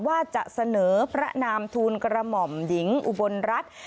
ว่าจะเสนอพระนามทูลกระหม่อมหญิงอุบลรัฐ